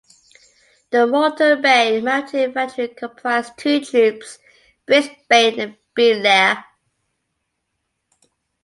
The Moreton Bay Mounted Infantry comprised two troops, Brisbane and Beenleigh.